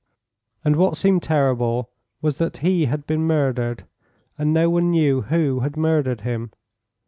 And what seemed terrible was that he had been murdered, and no one knew who had murdered him.